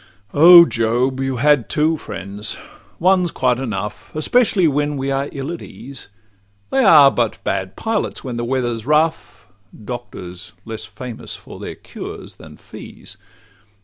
O job! you had two friends: one 's quite enough, Especially when we are ill at ease; They are but bad pilots when the weather 's rough, Doctors less famous for their cures than fees.